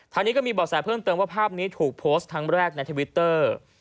นี้ก็มีบ่อแสเพิ่มเติมว่าภาพนี้ถูกโพสต์ครั้งแรกในทวิตเตอร์